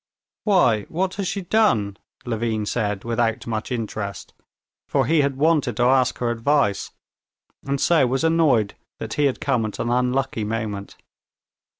"Why, what has she done?" Levin said without much interest, for he had wanted to ask her advice, and so was annoyed that he had come at an unlucky moment.